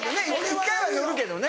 一回は乗るけどね。